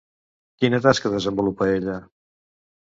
Quina tasca desenvolupa ella?